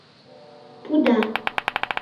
ПУДА